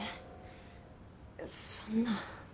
そんな。